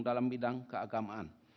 dalam bidang keagamaan